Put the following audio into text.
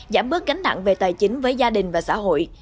giảm bớt gánh nặng về tài chính với gia đình và xã hội